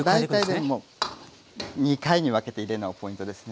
大体でも２回に分けて入れるのがポイントですね。